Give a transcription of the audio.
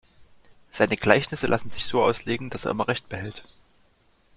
Seine Gleichnisse lassen sich so auslegen, dass er immer Recht behält.